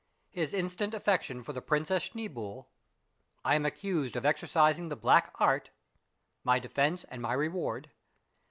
— HIS INSTANT AFFECTION FOR PRINCESS SCHNEEBOULE. — I AM ACCUSED OF EXERCISING THE BLACK ART. — MY DEFENCE AND MY REWARD.